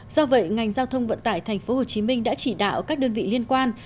do vậy ngành giao thông vận tải tp hcm đã chỉ đạo các đơn vị liên quan